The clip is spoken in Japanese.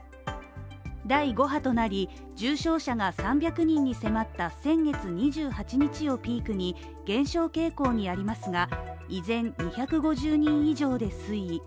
第５波なり重症者が３００人に迫った先月２８日をピークに減少傾向にありますが依然２５０人以上で推移